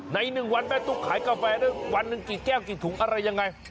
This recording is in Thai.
ใน๑วันแม่ตุ๊กขายกาแฟได้วันหนึ่งกี่แก้วกี่ถุงอะไรยังไง